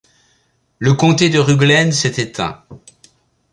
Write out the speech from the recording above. Le comté de Ruglen s'est éteint.